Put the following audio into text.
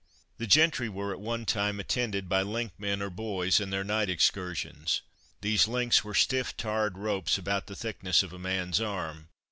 The gentry were at one time attended by link men or boys in their night excursions. These links were stiff, tarred ropes about the thickness of a man's arm.